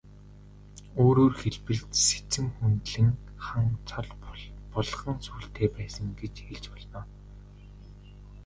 Өөрөөр хэлбэл, Сэцэн хүндлэн хан цол булган сүүлтэй байсан гэж хэлж болно.